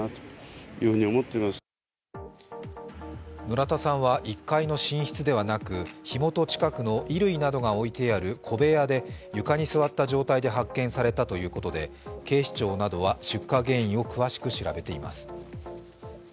村田さんは１階の寝室ではなく火元近くの、衣類などが置いてある小部屋で床に座った状態で発見されたということで警視庁などは出火原因を詳しく調べています。